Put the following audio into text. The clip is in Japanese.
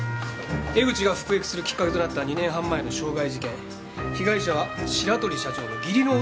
江口が服役するきっかけとなった２年半前の傷害事件被害者は白鳥社長の義理の弟だったんです。